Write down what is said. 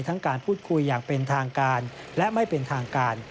การพูดคุยอย่างเป็นทางการและไม่เป็นทางการ